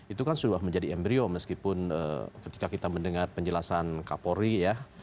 itu kan sudah menjadi embryo meskipun ketika kita mendengar penjelasan kapolri ya